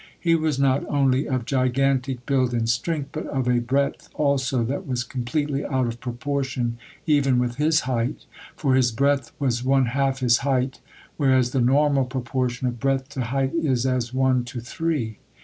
He was not only of gigantic build and strength, but of a breadth also that was completely out of proportion even with his height, for his breadth was one half his height, whereas the normal proportion of breadth to height is as one to three.